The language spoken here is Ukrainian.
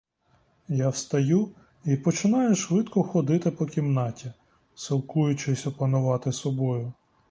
Я встаю й починаю швидко ходити по кімнаті, силкуючись опанувати собою.